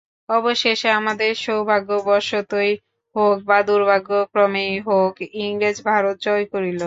অবশেষে আমাদের সৌভাগ্যবশতই হউক বা দুর্ভাগ্যক্রমেই হউক, ইংরেজ ভারত জয় করিল।